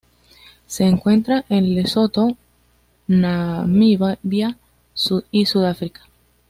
Se encuentra en Lesoto, Namibia y Sudáfrica.